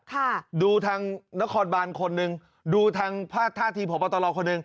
ค่ะดูทางนครบาลคนนึงดูทางภาคธาติผ่วงประตอลองคนนึง